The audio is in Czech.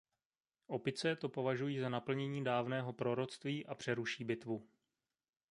Opice to považují za naplnění dávného proroctví a přeruší bitvu.